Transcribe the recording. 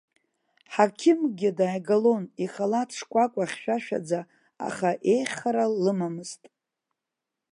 Ҳақьымкгьы дааигалон, ихалаҭ шкәакәа хьшәашәаӡа, аха еиӷьхара лымамызт.